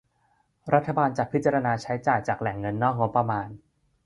รัฐบาลจะพิจารณาใช้จ่ายจากแหล่งเงินนอกงบประมาณ